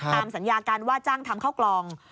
ตามสัญญาการว่าจ้างทำข้าวกล่อง